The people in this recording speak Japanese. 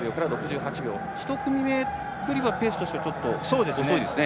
１組目よりはペースはちょっと遅いですね。